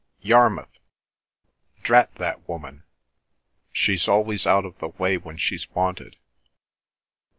Yarmouth! Drat the woman! She's always out of the way when she's wanted!"